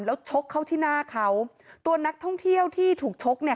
แล้วชกเข้าที่หน้าเขาตัวนักท่องเที่ยวที่ถูกชกเนี่ย